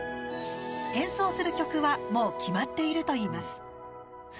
演奏する曲はもう決まっているといいます。